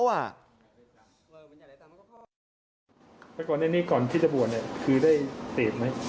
แล้วก่อนนี้นี่ก่อนที่จะบ่วนคือได้เสพไหม